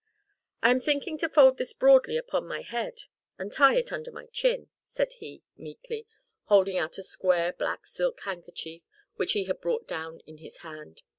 "I am thinking to fold this broadly upon my head, and tie it under my chin," said he, meekly, holding out a square, black silk handkerchief which he had brought down in his hand.